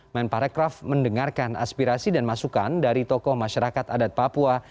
men parekraf mendengarkan aspirasi dan masukan dari tokoh masyarakat adat papua